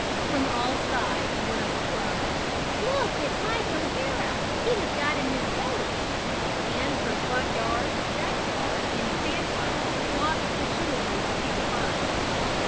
From all sides went up the cry: "Look at Mike O'Hara, he has got a new goat!" And from front yard, back yard and sand pile flocked the children to see the fun.